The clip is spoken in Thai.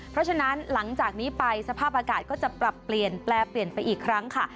เพราะฉะนั้นหลังจากนี้ไปสภาพอากาศก็จะปรับเปลี่ยนแปลเปลี่ยนไปอีกครั้งค่ะ